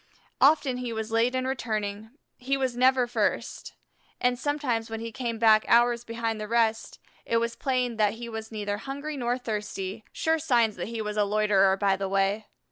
Often he was late in returning; he never was first, and sometimes when he came back hours behind the rest, it was plain that he was neither hungry nor thirsty, sure signs that he was a loiterer by the way.